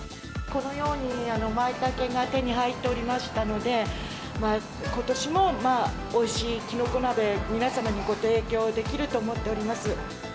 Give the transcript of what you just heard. このようにまいたけが手に入っておりましたので、ことしもおいしいきのこ鍋、皆様にご提供できると思っております。